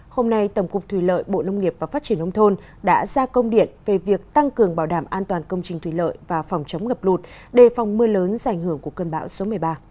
hôm nay tổng cục thủy lợi bộ nông nghiệp và phát triển nông thôn đã ra công điện về việc tăng cường bảo đảm an toàn công trình thủy lợi và phòng chống ngập lụt đề phòng mưa lớn do ảnh hưởng của cơn bão số một mươi ba